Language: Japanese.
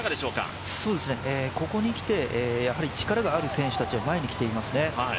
ここに来て力がある選手たちは前に来ていますね。